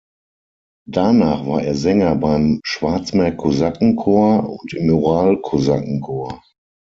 Danach war er Sänger beim "Schwarzmeer Kosaken-Chor" und im Ural Kosaken Chor.